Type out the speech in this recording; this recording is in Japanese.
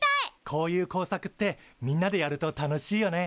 こういう工作ってみんなでやると楽しいよね。